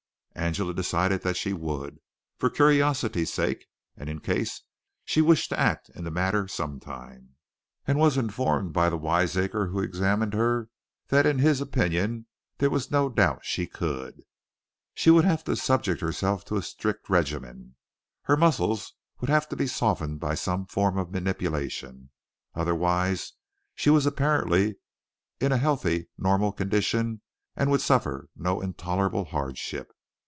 Angela decided that she would, for curiosity's sake, and in case she wished to act in the matter some time; and was informed by the wiseacre who examined her that in his opinion there was no doubt that she could. She would have to subject herself to a strict regimen. Her muscles would have to be softened by some form of manipulation. Otherwise, she was apparently in a healthy, normal condition and would suffer no intolerable hardship.